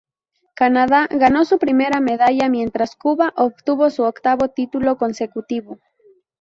Canadá ganó su primera medalla, mientras Cuba obtuvo su octavo título consecutivo.